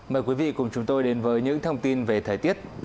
mời quý vị cùng chúng tôi đến với những thông tin về thời tiết